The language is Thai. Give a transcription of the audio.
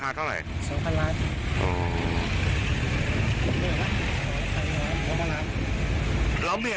แล้วตอนนี้เมียเราอยู่ไหน